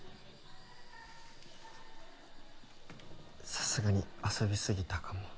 さすがに遊びすぎたかも